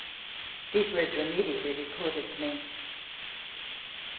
These words were immediately reported to me.